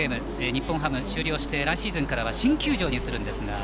日本ハムが終了して来シーズンからは新球場に移ります。